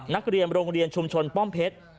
นักเรียนโรงเรียนชุมชนป้อมเพชร